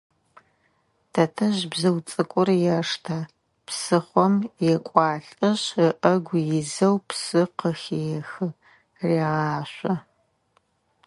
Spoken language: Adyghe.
Тэтэжъ бзыу цӏыкӏур ештэ, псыхъом екӏуалӏэшъ, ыӏэгу изэу псы къыхехы, регъашъо.